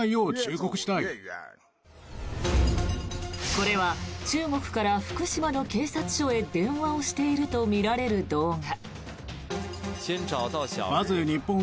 これは、中国から福島の警察署へ電話をしているとみられる動画。